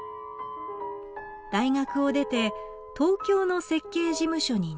大学を出て東京の設計事務所に入社。